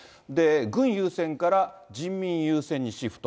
軍優先から人民優先にシフト。